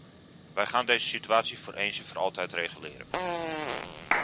We gaan deze situatie voor eens en voor altijd reguleren.